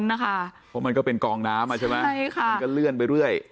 เพราะมันก็เป็นกองน้ำอ่ะใช่ไหมใช่ค่ะมันก็เลื่อนไปเรื่อย